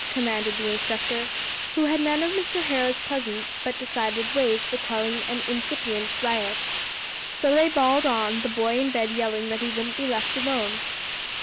commanded the instructor, who had none of Mr. Harrow's pleasant but decided ways for quelling an incipient riot. So they bawled on, the boy in bed yelling that he wouldn't be left alone.